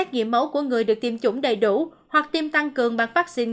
nghiệm mẫu của người được tiêm chủng đầy đủ hoặc tiêm tăng cường bằng vaccine